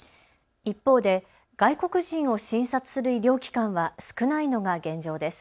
一方で外国人を診察する医療機関は少ないのが現状です。